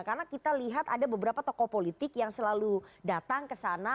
karena kita lihat ada beberapa tokoh politik yang selalu datang ke sana